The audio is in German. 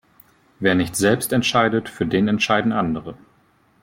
Wer nicht selbst entscheidet, für den entscheiden andere.